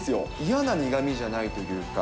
嫌な苦みじゃないというか。